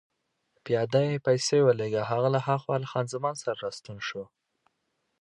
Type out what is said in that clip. پیاده يې پسې ولېږه، هغه له هاخوا له خان زمان سره راستون شو.